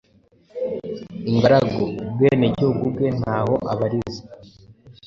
ingaragu), ubwenegihugu bwe n’aho abarizwa.